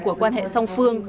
của quan hệ song phương